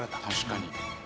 確かに。